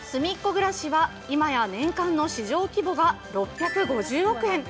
ぐらしは今や年間の市場規模が６５０億円。